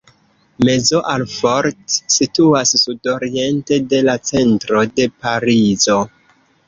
Maisons-Alfort situas sudoriente de la centro de Parizo.